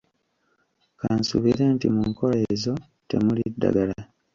Kansuubire nti mu nkola ezo temuli ddagala?